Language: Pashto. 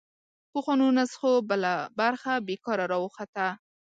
پخوانو نسخو بله برخه بېکاره راوخته